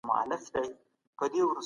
هغه د ټولني په علمي مطالعه ټينګار کاوه.